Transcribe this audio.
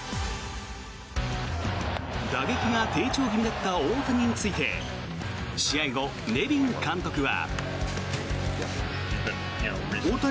打撃が低調気味だった大谷について試合後、ネビン監督は。